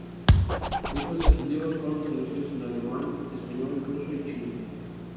Muchos de sus libros fueron traducidos al alemán, español, ruso y chino.